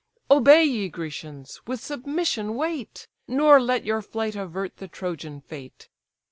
Obey, ye Grecians! with submission wait, Nor let your flight avert the Trojan fate."